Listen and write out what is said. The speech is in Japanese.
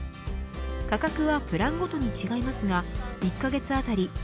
価格はプランごとに違いますが１カ月あたり